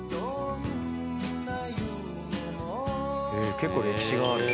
へえ結構歴史がある。